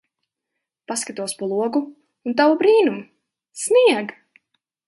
Paskatos pa logu un tavu brīnumu. Snieg!